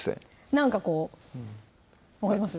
なんかこう分かります？